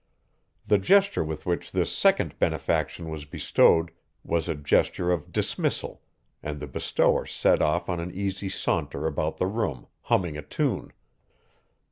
The gesture with which this second benefaction was bestowed was a gesture of dismissal and the bestower set off on an easy saunter about the room, humming a tune.